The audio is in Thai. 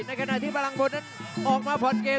ในขณะที่ฝรั่งผลนั้นออกมาพอลเกม